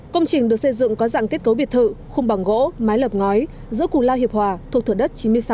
công trình được xây dựng có dạng kết cấu biệt thự khung bằng gỗ mái lập ngói giữa cù lao hiệp hòa thuộc thửa đất chín mươi sáu